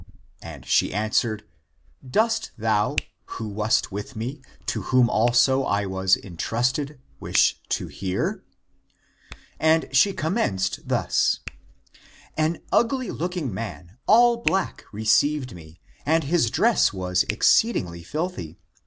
And she answered, " Dost thou, who wast with me, to whom also I was intrusted, wish to hear ?" And she commenced thus :" An ugly looking man, all black, received me; and his dress was exceedingly filthy.